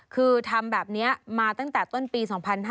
คือทำแบบนี้มาตั้งแต่ต้นปี๒๕๕๙